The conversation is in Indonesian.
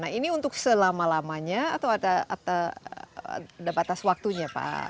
nah ini untuk selama lamanya atau ada batas waktunya pak